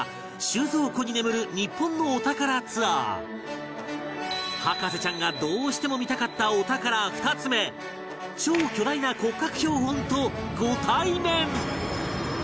収蔵庫に眠る日本のお宝ツアー博士ちゃんがどうしても見たかったお宝２つ目超巨大な骨格標本とご対面！